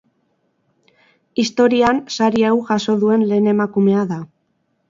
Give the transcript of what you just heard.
Historian sari hau jaso duen lehen emakumea da.